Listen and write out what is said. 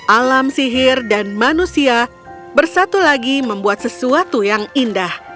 alam sihir dan manusia bersatu lagi membuat sesuatu yang indah